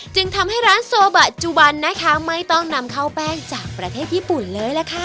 จึงทำให้ร้านโซบะจุบันนะคะไม่ต้องนำข้าวแป้งจากประเทศญี่ปุ่นเลยล่ะค่ะ